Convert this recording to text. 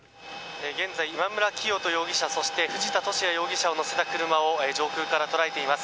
現在、今村磨人容疑者そして藤田聖也容疑者を乗せた車を上空から捉えています。